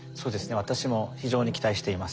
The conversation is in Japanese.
私も非常に期待しています。